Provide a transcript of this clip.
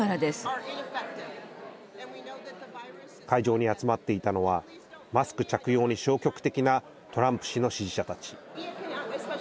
会場に集まっていたのはマスク着用に消極的なトランプ氏の支持者たち。